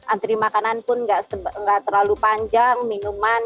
antri makanan pun nggak terlalu panjang minuman